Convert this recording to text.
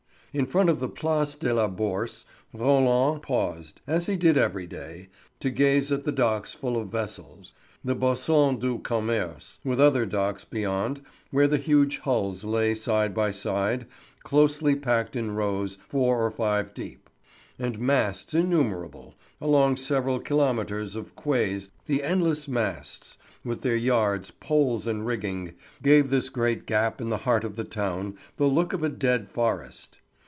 In front of the Place de la Bourse Roland paused, as he did every day, to gaze at the docks full of vessels—the Bassin du Commerce, with other docks beyond, where the huge hulls lay side by side, closely packed in rows, four or five deep. And masts innumerable; along several kilometres of quays the endless masts, with their yards, poles, and rigging, gave this great gap in the heart of the town the look of a dead forest.